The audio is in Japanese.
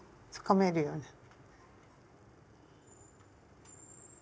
つかめるように。